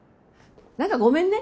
何かごめんね。